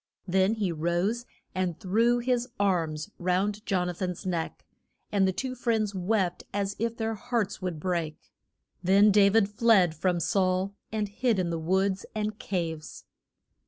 Then he rose and threw his arms round Jon a than's neck, and the two friends wept as if their hearts would break. Then Da vid fled from Saul, and hid in the woods and caves.